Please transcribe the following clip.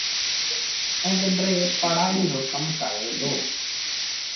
ائيٚݩ پنڊري پڙهئيٚ رو ڪم ڪري دو